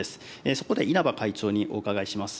そこで、稲葉会長にお伺いします。